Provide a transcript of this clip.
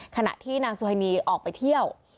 ขณะที่นางสุฮินีออกไปเที่ยว